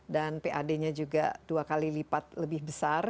dan pad nya juga dua kali lipat lebih besar